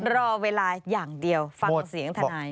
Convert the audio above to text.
รอเวลาอย่างเดียวฟังเสียงทนาย